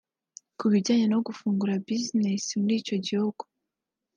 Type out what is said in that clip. Ku bijyanye no gufungura bizinesi muri icyo gihugu